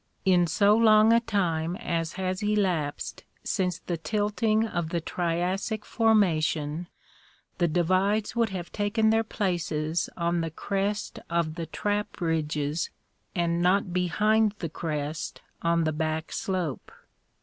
In so long a time as has elapsed since the tilting of the Triassic formation, the divides would have taken their places on the crest of the trap ridges and not behind the crest on the back slope.